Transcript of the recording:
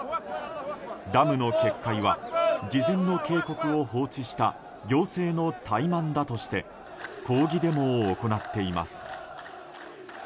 ダムの決壊は、事前の警告を放置した行政の怠慢だとして抗議デモを行っています。